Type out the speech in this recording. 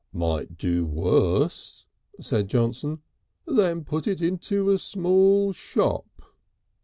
"Might do worse," said Johnson, "than put it into a small shop."